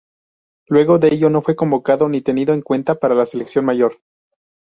Luego de ello no fue convocado ni tenido en cuenta para la selección mayor.